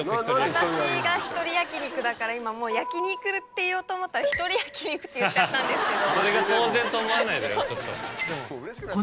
私がひとり焼き肉だから今もう焼き肉って言おうと思ったらひとり焼き肉って言っちゃったんですけど。